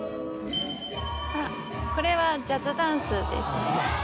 あっこれはジャズダンスです。